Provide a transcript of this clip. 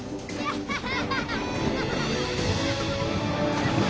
ハハハハ！